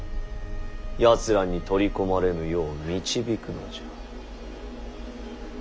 やつらに取り込まれぬよう導くのじゃ。